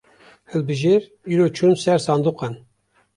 Hilbijêr, îro çûn ser sindoqan